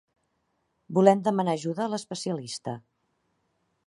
Volem demanar ajuda a l'especialista.